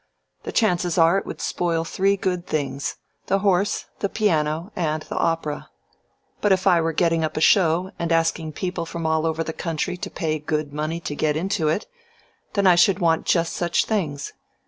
The chances are it would spoil three good things the horse, the piano, and the opera but if I were getting up a show and asking people from all over the country to pay good money to get into it, then I should want just such things.